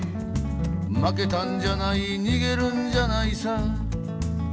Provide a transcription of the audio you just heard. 「負けたんじゃない逃げるんじゃないさ」